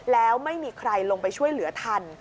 แล้วไม่มีใครลงไปช่วยเหลือทัน